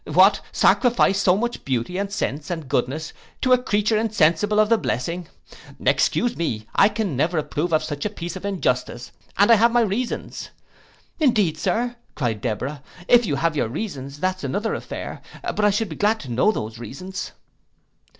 What! Sacrifice so much beauty, and sense, and goodness, to a creature insensible of the blessing! Excuse me, I can never approve of such a piece of injustice And I have my reasons!'—'Indeed, Sir,' cried Deborah, 'if you have your reasons, that's another affair; but I should be glad to know those reasons.